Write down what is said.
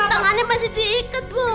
tengahnya masih diikat bos